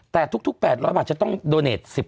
แต่ทุก๘๐๐บาทจะต้องโดเนส๑๐